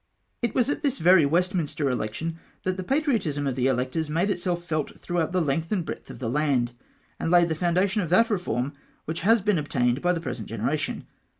221 It was at tins very Westminster election that the patriotism of the electors made itself felt thronghout the length and breadth of the land, and laid the foundation of that reform which has been obtained by the present generation.